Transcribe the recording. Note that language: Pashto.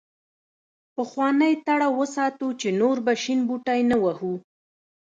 پخوانۍ تړه وساتو چې نور به شین بوټی نه وهو.